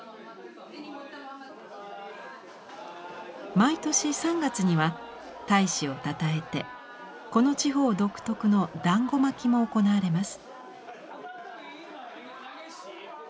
毎年３月には太子をたたえてこの地方独特の団子まきも行われます。